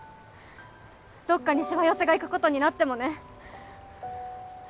どっかにしわ寄せがいくことになってもね！